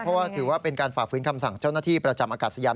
เพราะว่าถือว่าเป็นการฝ่าฟื้นคำสั่งเจ้าหน้าที่ประจำอากาศยาน